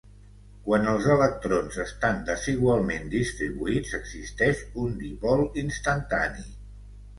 Quan els electrons estan desigualment distribuïts, existeix un dipol instantani.